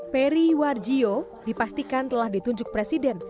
peri warjio dipastikan telah ditunjuk presiden